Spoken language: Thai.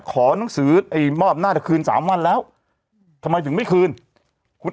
ขอหนังสือไอ้มอบอำนาจจะคืนสามวันแล้วทำไมถึงไม่คืนคุณ